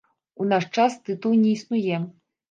У наш час тытул не існуе.